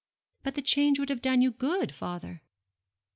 'But the change would have done you good, father.'